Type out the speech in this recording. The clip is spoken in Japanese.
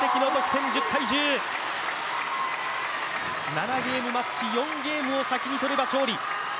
７ゲームマッチ、４ゲームを先にとれば勝利。